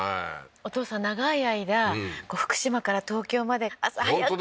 お父さん、長い間、福島から東京まで朝早く。